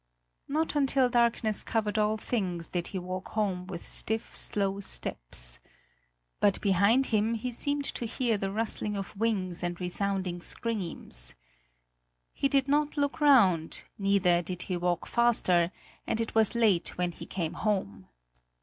Not until darkness covered all things did he walk home with stiff, slow steps. But behind him he seemed to hear the rustling of wings and resounding screams. He did not look round, neither did he walk faster, and it was late when he came home.